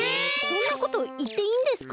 そんなこといっていいんですか？